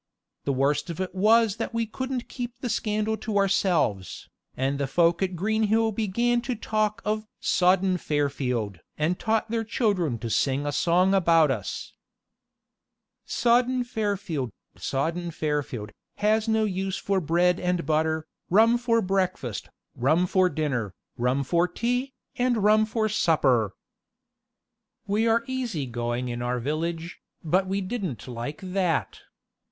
The worst of it was that we couldn't keep the scandal to ourselves, and the folk at Greenhill began to talk of "sodden Fairfield" and taught their children to sing a song about us: Sodden Fairfield, sodden Fairfield, Has no use for bread and butter, Rum for breakfast, rum for dinner, Rum for tea, and rum for supper! We are easy going in our village, but we didn't like that.